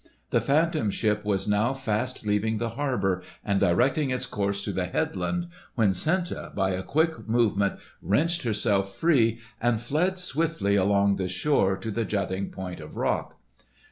The Phantom Ship was now fast leaving the harbour and directing its course to the headland, when Senta by a quick movement wrenched herself free and fled swiftly along the shore to the jutting point of rock.